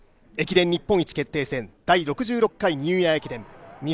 駅伝日本一決定戦第６６回ニューイヤー駅伝。